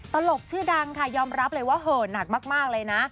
ตลกชื่อดังค่ะยอมรับเลยว่าเหินหนักมากเลยนะ